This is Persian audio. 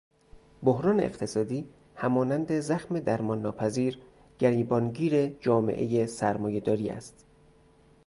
بحران اقتصادی همانند زخم درمان ناپذیر گریبان گیر جامعهُ سرمایه داری است.